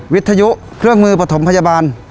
วิทยุเครื่องมือปฐมพยาบาล